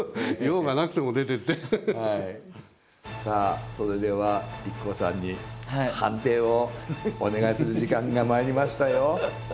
さあそれではＩＫＫＯさんに判定をお願いする時間がまいりましたよ。